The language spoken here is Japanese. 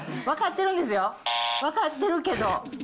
分かってるんですよ、分かってるけど。